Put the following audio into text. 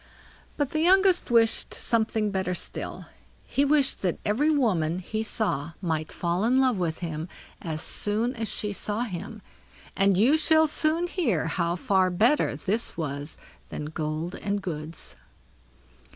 But the youngest wished something better still. He wished that every woman he saw might fall in love with him as soon as she saw him; and you shall soon hear how far better this was than gold and goods.